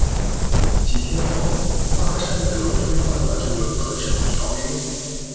几天后，阿山德推翻了这个可耻的条约。